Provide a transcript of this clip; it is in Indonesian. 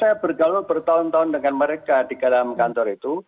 karena saya bergaul bertahun tahun dengan mereka di dalam kantor itu